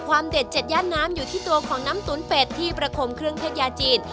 เด็ดเจ็ดย่านน้ำอยู่ที่ตัวของน้ำตุ๋นเป็ดที่ประคมเครื่องเทศยาจีน